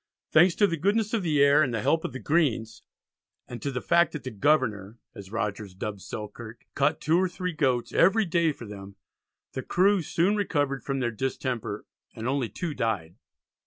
Thanks to the "goodness of the air" and the "help of the greens," and to the fact that the "Governour," as Rogers dubbed Selkirk, caught two or three goats every day for them, the crew soon recovered from their distemper, and only two died.